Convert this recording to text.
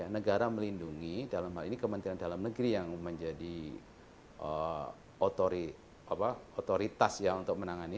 negara melindungi dalam hal ini kementerian dalam negeri yang menjadi otoritas ya untuk menangani